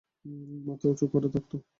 মাথা উঁচু করে থাকতো।